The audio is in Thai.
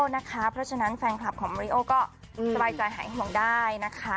เพราะฉะนั้นแฟนคลับของมาริโอก็สบายใจหายห่วงได้นะคะ